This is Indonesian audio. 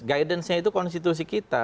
guidance nya itu konstitusi kita